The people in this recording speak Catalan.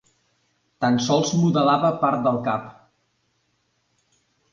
Tan sols modelava part del cap.